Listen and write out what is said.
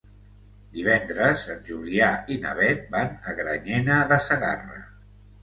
Divendres en Julià i na Beth van a Granyena de Segarra.